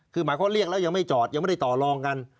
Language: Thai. คือหมายเขาเรียกแล้วยังไม่จอดยังไม่ได้ต่อลองกัน